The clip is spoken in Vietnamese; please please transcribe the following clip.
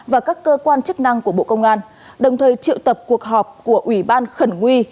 và các cơ quan chức năng của bộ công an đồng thời triệu tập cuộc họp của ủy ban khẩn nguy